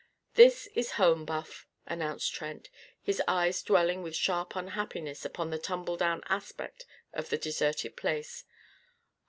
"This is home, Buff!" announced Trent, his eyes dwelling with sharp unhappiness upon the tumbledown aspect of the deserted place.